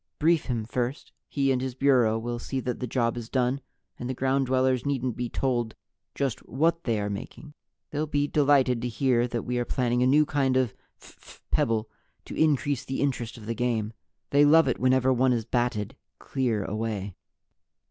Brief him first. He and his Bureau will see that the job is done, and the Ground Dwellers needn't be told just what they are making. They'll be delighted to hear that We are planning a new kind of phph pebble to increase the interest of the game they love it whenever one is batted clear away."